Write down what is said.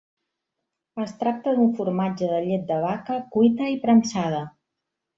Es tracta d'un formatge de llet de vaca, cuita i premsada.